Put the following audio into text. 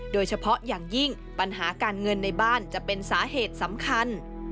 โดยเฉพาะอย่างยิ่งปัญหาการเงินในบ้านจะเป็นสาเหตุสำคัญ